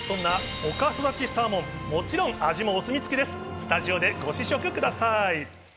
スタジオでご試食ください。